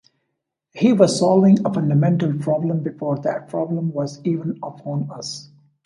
He was solving a fundamental problem before that problem was even upon us.